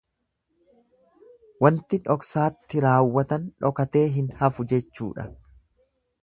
Wanti dhoksaatti raawwatan dhokatee hin hafu jechuudha.